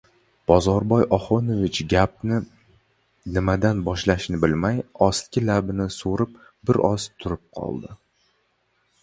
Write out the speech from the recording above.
Bozorboy Oxunovich gapni nimadan boshlashni bilmay, ostki labini so‘rib, bir oz turib qoldi.